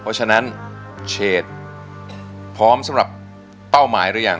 เพราะฉะนั้นเฉดพร้อมสำหรับเป้าหมายหรือยัง